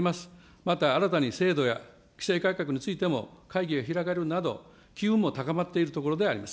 また新たに制度や規制改革についても、会議が開かれるなど、機運も高まっているところであります。